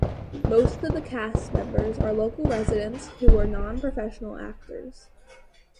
Most of the cast members are local residents who were nonprofessional actors.